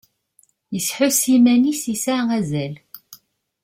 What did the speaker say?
Yesḥus i yiman-is yesɛa azal.